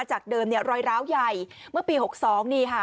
จากเดิมเนี่ยรอยร้าวใหญ่เมื่อปี๖๒นี่ค่ะ